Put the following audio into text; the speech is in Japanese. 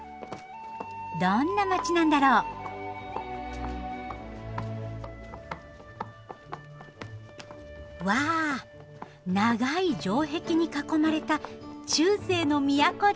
どんな街なんだろう？わ長い城壁に囲まれた中世の都だ！